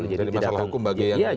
jadi masalah hukum bagian kelaporan